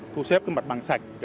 thu xếp mặt bằng sạch